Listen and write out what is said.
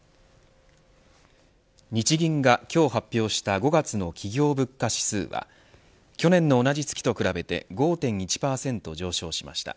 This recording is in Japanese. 日銀が今日発表した５月の企業物価指数は去年の同じ月と比べて５．１％上昇しました。